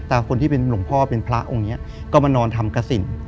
แต่คนที่เป็นหลวงพ่อเป็นพระองค์นี้ก็มานอนทำกระสิน